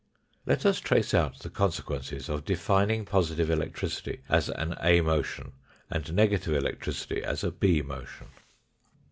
Let us trace out the consequences of defining positive electricity as an A motion and negative electricity as a B motion.